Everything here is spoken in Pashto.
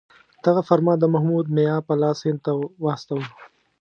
دغه فرمان د محمود میا په لاس هند ته واستاوه.